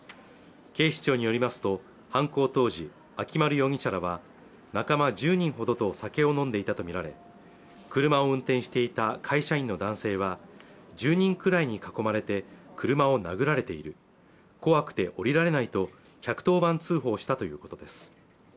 警視庁によりますと犯行当時秋丸容疑者らは仲間１０人ほどと酒を飲んでいたと見られ車を運転していた会社員の男性は１０人くらいに囲まれて車を殴られている怖くて降りられないと１１０番通報したということです